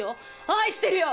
「愛してるよ」？